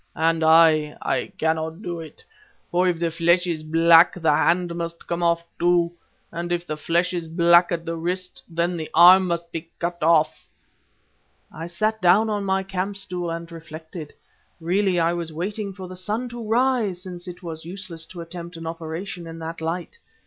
And I, I cannot do it, for if the flesh is black the hand must come off too, and if the flesh is black at the wrist, then the arm must be cut off.' "I sat down on my camp stool and reflected. Really I was waiting for the sun to rise, since it was useless to attempt an operation in that light.